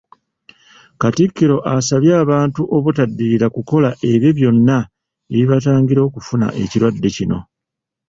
Katikkiro asabye abantu obutaddiriza kukola ebyo byonna ebibatangira okufuna ekirwadde kino.